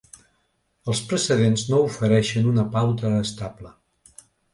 Els precedents no ofereixen una pauta estable.